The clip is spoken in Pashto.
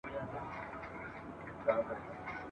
یوازي والی ..